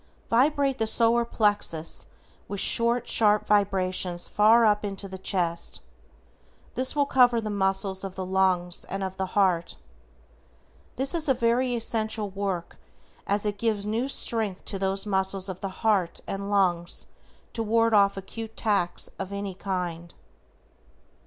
VIBRATE THE SOLAR PLEXUS with short, sharp vibrations far up into the chest, this will cover the muscles of the lungs and of the heart. This is a very essential work as it gives new strength to those muscles of the heart and lungs to ward off acute attacks of any kind.